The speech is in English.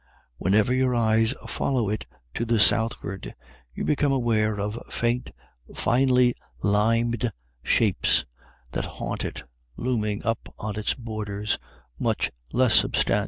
Whenever your eyes follow it to the southward, you become aware of faint, finely limned shapes that haunt it, looming up on its borders, much less subst^n'*!.